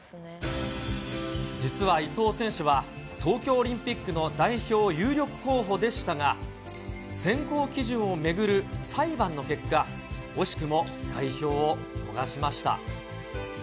実は伊藤選手は、東京オリンピックの代表有力候補でしたが、選考基準を巡る裁判の結果、惜しくも代表を逃しました。